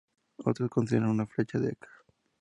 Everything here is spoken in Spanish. Otros consideran una fecha de "ca".